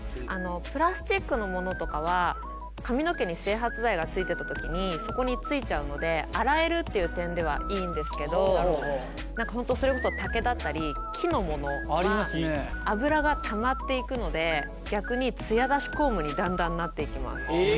プラスチックのものとかは髪の毛に整髪剤がついてた時にそこについちゃうので洗えるっていう点ではいいんですけど何か本当それこそ竹だったり木のものは油がたまっていくので逆にツヤ出しコームにだんだんなっていきます。え！？